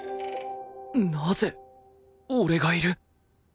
なぜ俺がいる？